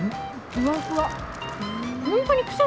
ふわふわ。